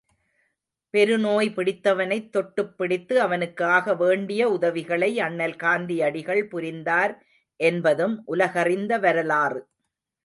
பெரு நோய் பிடித்தவனைத் தொட்டுப் பிடித்து அவனுக்கு ஆகவேண்டிய உதவிகளை அண்ணல் காந்தியடிகள் புரிந்தார் என்பதும் உலகறிந்த வரலாறு.